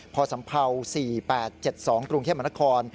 พสภ๔๘๗๒กรุงเทพมนธคร